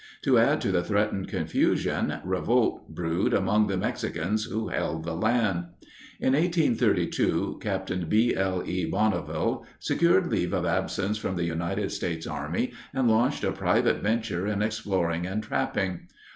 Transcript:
To add to the threatened confusion, revolt brewed among the Mexicans who held the land. In 1832 Captain B. L. E. Bonneville secured leave of absence from the United States Army and launched a private venture in exploring and trapping.